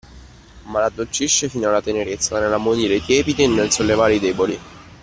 Ma l'addolcisce fino alla tenerezza nell'ammonire i tiepidi e nel sollevare i deboli.